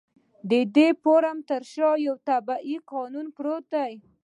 د دې فورمول تر شا يو طبيعي قانون پروت دی.